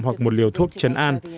hoặc một liều thuốc chấn an